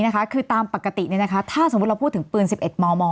คือตามปกติถ้าสมมุติเราพูดถึงปืน๑๑มม